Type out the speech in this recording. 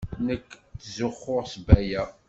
Nekk ttzuxxuɣ s Baya.